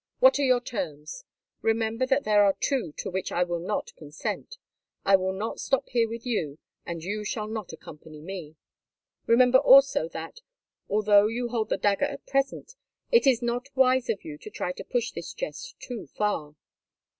What are your terms? Remember that there are two to which I will not consent. I will not stop here with you, and you shall not accompany me. Remember also, that, although you hold the dagger at present, it is not wise of you to try to push this jest too far."